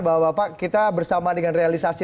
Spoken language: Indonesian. bahwa kita bersama dengan realisasi